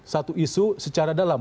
satu isu secara dalam